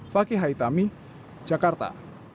fakih haitami jakarta